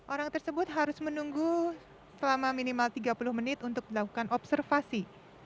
orang tersebut harus menunggu selama minimal tiga puluh menit untuk dilakukan observasi